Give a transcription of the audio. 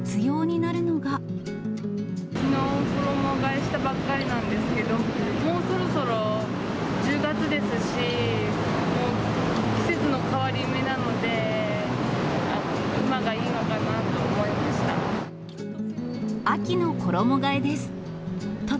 きのう、衣がえしたばっかりなんですけど、もうそろそろ１０月ですし、季節の変わり目なので、今がいいのかなと思いました。